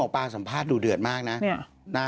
ป้าสัมภาษณ์ดูเดือดมากนะ